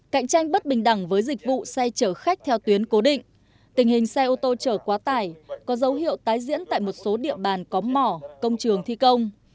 cạnh tranh bất bình đẳng với dịch vụ xe chở khách theo tuyến cố định tình hình xe ô tô chở quá tải có dấu hiệu tái diễn tại một số địa bàn có mỏ công trường thi công